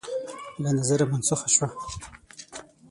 له نظره منسوخه شوه